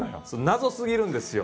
謎すぎるんですよ。